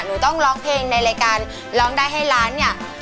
หนูต้องร้องเพลงในรายการร้องได้ให้ล้านเนี่ย